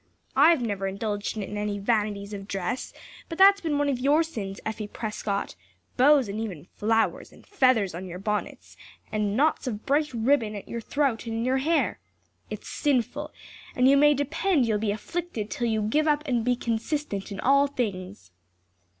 "I've never indulged in any vanities of dress; but that's been one of your sins, Effie Prescott; bows and even flowers and feathers on your bonnets, and knots of bright ribbon at your throat and in your hair. It's sinful and you may depend you'll be afflicted till you'll give up and be consistent in all things."